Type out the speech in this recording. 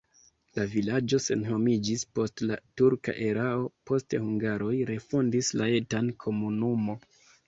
La vilaĝo senhomiĝis post la turka erao, poste hungaroj refondis la etan komunumo.